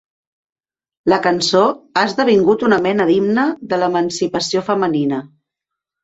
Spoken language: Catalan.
La cançó ha esdevingut una mena d'himne de l'emancipació femenina.